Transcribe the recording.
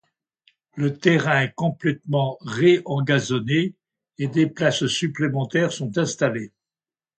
Le terrain est complètement ré-engazonné et des places supplémentaires sont installés.